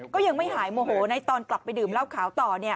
ก็ยังไม่หายโมโหในตอนกลับไปดื่มเหล้าขาวต่อ